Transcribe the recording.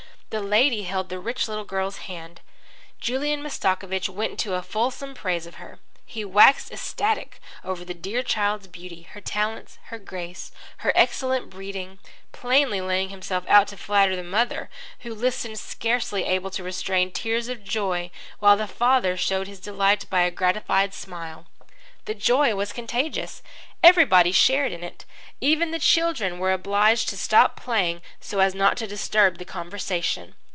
The lady held the rich little girl's hand. Julian Mastakovich went into fulsome praise of her. He waxed ecstatic over the dear child's beauty, her talents, her grace, her excellent breeding, plainly laying himself out to flatter the mother, who listened scarcely able to restrain tears of joy, while the father showed his delight by a gratified smile. The joy was contagious. Everybody shared in it. Even the children were obliged to stop playing so as not to disturb the conversation.